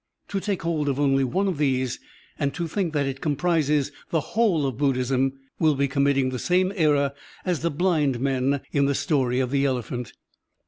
To take hold of only one of these and to think that it comprises the whole of Buddhism will be committing the same error as the blind men in the story of the elephant.